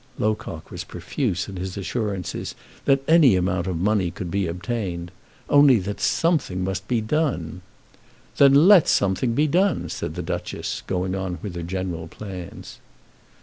Locock was profuse in his assurances that any amount of money could be obtained, only that something must be done. "Then let something be done," said the Duchess, going on with her general plans.